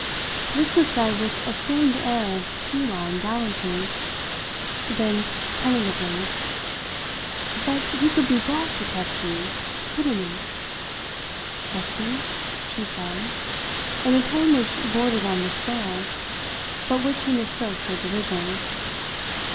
This was said with a strange air of feline gallantry. Then, tentatively: "But he could be brought to trust you, couldn't he?" "Trust me?" she said, in a tone which bordered on despair, but which he mistook for derision.